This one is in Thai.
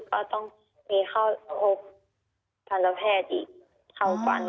ว่าต้องมี๖ทรัพยาแพทย์เข้าควันกันอีก